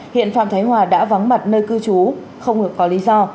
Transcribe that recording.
hiện phạm thái hòa đã vắng mặt nơi cư trú không được có lý do